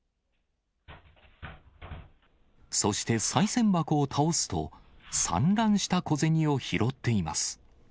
そして、さい銭箱を倒すと、散乱した小銭を拾っています。